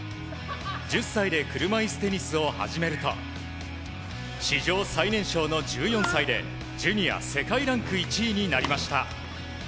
１０歳で車いすテニスを始めると史上最年少の１４歳でジュニア世界ランキング１位になりました。